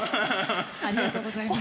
ありがとうございます。